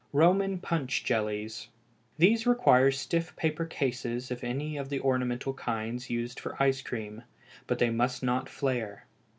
Roman Punch Jellies. These require stiff paper cases of any of the ornamental kinds used for ice cream, but they must not flare.